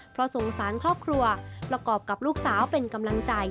เพราะสงสารครอบครัวประกอบกับลูกสาวเป็นกำลังใจ